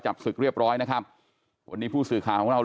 จับศึกเรียบร้อยนะครับวันนี้ผู้สื่อข่าวของเรา